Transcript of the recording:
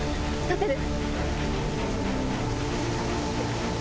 立てる？